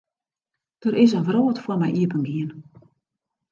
Der is in wrâld foar my iepengien.